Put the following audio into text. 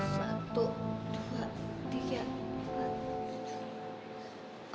satu dua tiga empat sepuluh